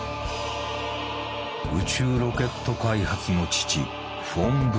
宇宙ロケット開発の父フォン・ブラウン。